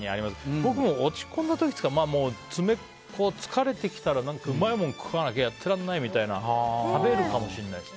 僕も落ち込んだ時っていうか疲れてきたらうまいもん食わなきゃやってられないというか食べるかもしれないですけど。